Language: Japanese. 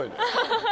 ハハハ！